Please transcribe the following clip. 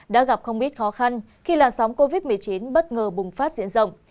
đã gặp không ít khó khăn khi làn sóng covid một mươi chín bất ngờ bùng phát diện rộng